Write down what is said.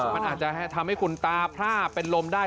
มันอาจจะทำให้คุณตาพร่าเป็นลมได้